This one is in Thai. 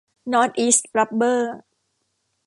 นอร์ทอีส รับเบอร์